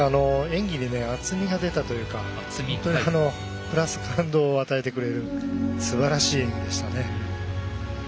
演技に厚みが出たというかプラス、感動を与えてくれるすばらしい演技でしたね。